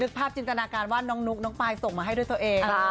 ภาพจินตนาการว่าน้องนุ๊กน้องปายส่งมาให้ด้วยตัวเอง